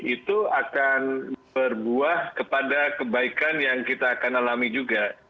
itu akan berbuah kepada kebaikan yang kita akan alami juga